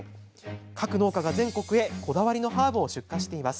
各農家が全国へ、こだわりのハーブを出荷しています。